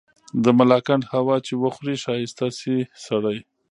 د ملاکنډ هوا چي وخوري ښايسته شی سړے